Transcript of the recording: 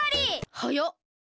はやっ！